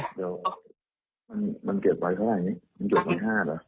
เดี๋ยวมันเก็บไว้เท่าไหร่เนี้ยมันเก็บไว้ห้าเหรอ